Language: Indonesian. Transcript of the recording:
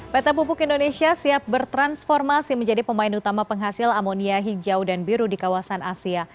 pt pupuk indonesia siap bertransformasi menjadi pemain utama penghasil amonia hijau dan biru di kawasan asia